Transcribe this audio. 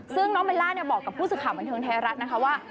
ซึ่งน้องเบลล่าบอกกับผู้สื่อข่าวบันเทิงไทยรัฐนะคะว่า